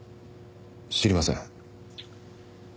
知りません。